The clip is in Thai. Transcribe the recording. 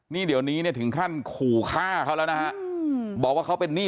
นี่เดี๋ยวนี้เนี่ยถึงขั้นขู่ฆ่าเขาแล้วนะฮะบอกว่าเขาเป็นหนี้